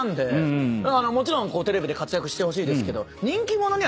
もちろんテレビで活躍してほしいですけど。